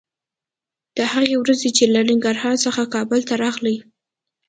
د هغې ورځې چې له ننګرهار څخه کابل ته راغلې